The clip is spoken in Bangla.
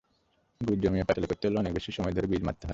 গুড় জমিয়ে পাটালি করতে হলে অনেক বেশি সময় ধরে বীজ মারতে হয়।